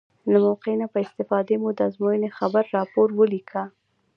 له موقع نه په استفادې مو د ازموینې خبري راپور ولیکه.